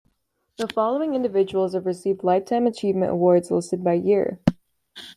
The following individuals have received Lifetime Achievement Awards, listed by year.